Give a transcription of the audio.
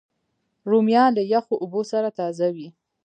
رومیان له یخو اوبو سره تازه وي